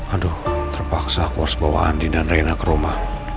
aduh terpaksa aku harus bawa andi dan raina ke rumah